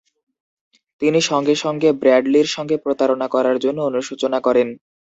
তিনি সঙ্গে সঙ্গে ব্র্যাডলির সঙ্গে প্রতারণা করার জন্য অনুশোচনা করেন।